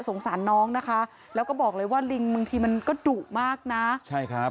สงสารน้องนะคะแล้วก็บอกเลยว่าลิงบางทีมันก็ดุมากนะใช่ครับ